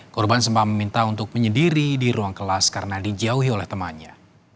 korban sempat meminta untuk menyediri di ruang kelas karena dijauhi oleh temannya